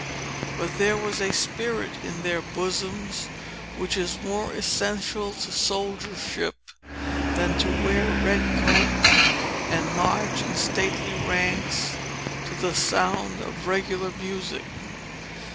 But there was a spirit in their bosoms, which is more essential to soldiership than to wear red coats, and march in stately ranks to the sound of regular music.